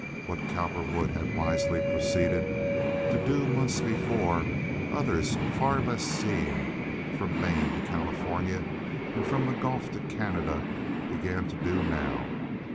What Cowperwood had wisely proceeded to do months before, others less far seeing, from Maine to California and from the Gulf to Canada, began to do now.